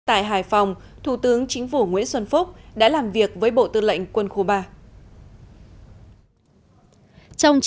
tại hải phòng thủ tướng chính phủ nguyễn xuân phúc đã làm việc với bộ tư lệnh quân khu ba